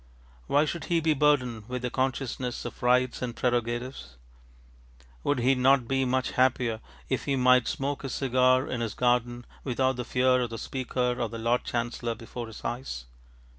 Why should he be burdened with the consciousness of rights and prerogatives? Would he not be much happier if he might smoke his cigar in his garden without the fear of the Speaker or the Lord Chancellor before his eyes?